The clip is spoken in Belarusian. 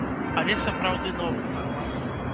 Але сапраўды новы фармат.